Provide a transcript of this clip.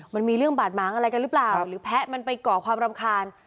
มันมีเรื่องบาดหมางอะไรกันหรือเปล่าหรือแพะมันไปก่อความรำคาญ